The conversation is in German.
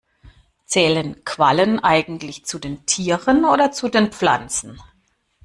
Zählen Quallen eigentlich zu den Tieren oder zu den Pflanzen?